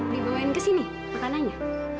dibawain kesini makanannya